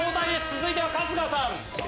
続いては春日さん。